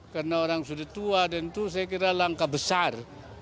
karena orang sudah tua dan itu saya kira langkah besar